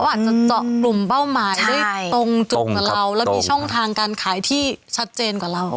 อาจจะเจาะกลุ่มเป้าหมายได้ตรงจุดกว่าเราแล้วมีช่องทางการขายที่ชัดเจนกว่าเรา